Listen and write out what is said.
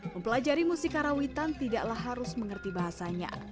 mempelajari musik karawitan tidaklah harus mengerti bahasanya